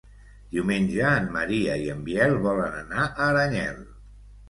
Diumenge en Maria i en Biel volen anar a Aranyel.